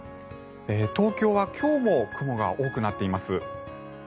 東京は今日も雲が多くなっています。